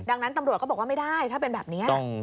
ดังนั้นตำรวจก็บอกว่าไม่ได้ถ้าเป็นแบบนี้